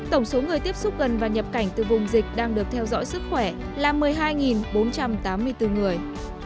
tổng số người tiếp xúc gần và nhập cảnh từ vùng dịch đang được theo dõi sức khỏe là một mươi hai bốn trăm tám mươi bốn người